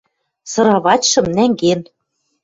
Сыравачшым нӓнген...